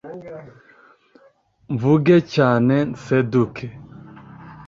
Mvuge cyane nseduke